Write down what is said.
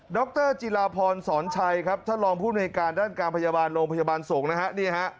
รจิลาพรสอนชัยครับท่านรองผู้ในการด้านการพยาบาลโรงพยาบาลสงฆ์นะฮะ